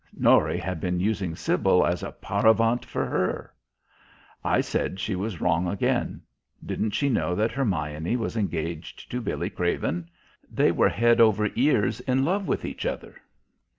Norry had been using Sybil as a "paravent" for her. I said she was wrong again. Didn't she know that Hermione was engaged to Billy Craven? They were head over ears in love with each other.